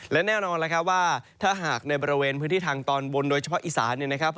และแน่นอนแล้วครับว่าถ้าหากในบริเวณพื้นที่ทางตอนบนโดยเฉพาะอีสานเนี่ยนะครับ